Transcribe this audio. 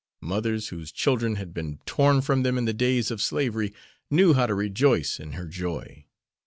Mothers whose children had been torn from them in the days of slavery knew how to rejoice in her joy.